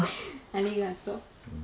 ありがとう